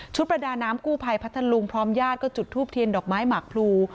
ประดาน้ำกู้ภัยพัทธลุงพร้อมญาติก็จุดทูบเทียนดอกไม้หมากพลู